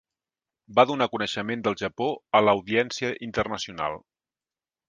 Va donar coneixement del Japó a l'audiència internacional.